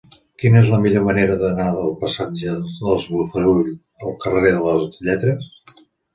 Quina és la millor manera d'anar del passatge dels Bofarull al carrer de les Lletres?